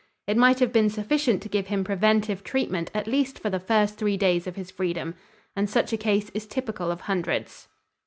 It might have been sufficient to give him preventive treatment at least for the first three days of his freedom. And such a case is typical of hundreds.